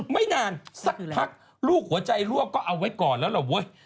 ไม่นานสักพักลูกหัวใจรั่วก็เอาไว้ก่อนแล้ว